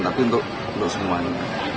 tapi untuk semuanya